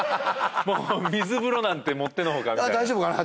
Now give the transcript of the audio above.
もう水風呂なんてもってのほかみたいな大丈夫かな？